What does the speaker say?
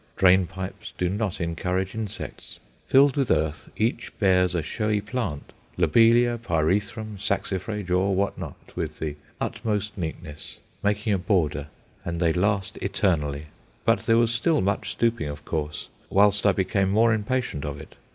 Drain pipes do not encourage insects. Filled with earth, each bears a showy plant lobelia, pyrethrum, saxifrage, or what not, with the utmost neatness, making a border; and they last eternally. But there was still much stooping, of course, whilst I became more impatient of it.